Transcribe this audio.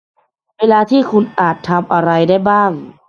เวลาที่คุณอาจทำอะไรได้บ้าง